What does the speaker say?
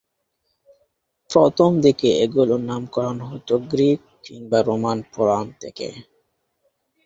প্রথম দিকে এগুলোর নামকরণ করা হতো গ্রীক কিংবা রোমান পুরান থেকে।